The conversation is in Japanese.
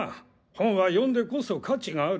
本は読んでこそ価値がある。